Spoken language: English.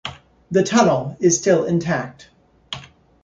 The tunnel is still intact.